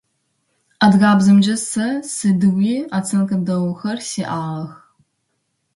Адыгэбзэмкӏэ сэ сыдигъуи оценкэ дэгъухэр сиӏагъэх.